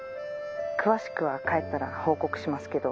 詳しくは帰ったら報告しますけど。